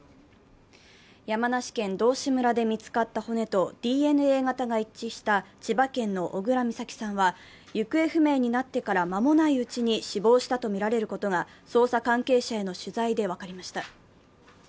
山梨県道志村で見つかった骨とＤＮＡ型が一致した千葉県の小倉美咲さんは行方不明になってから間もないうちに死亡したとみられることが捜査関係者への取材で分かりました。